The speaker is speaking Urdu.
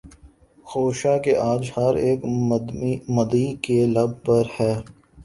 خوشا کہ آج ہر اک مدعی کے لب پر ہے